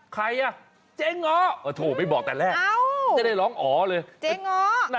ใครอ่ะเจ๊ง้อก็โทรไปบอกแต่แรกจะได้ร้องอ๋อเลยเจ๊ง้อ